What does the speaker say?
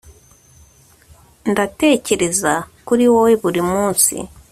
ndatekereza kuri wowe buri munsi